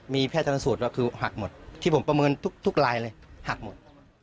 มีแพทย์ชนสูตรก็คือหักหมดที่ผมประเมินทุกลายเลยหักหมด